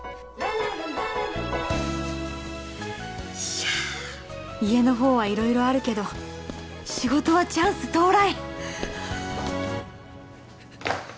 しゃーっ家のほうはいろいろあるけど仕事はチャンス到来！